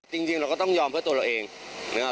จริงเราก็ต้องยอมเพื่อตัวเราเองนะครับ